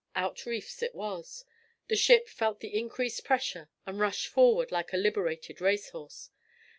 Out reefs it was: the ship felt the increased pressure, and rushed forward like a liberated race horse.